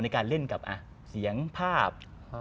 ในการเล่นกับเสียงภาพ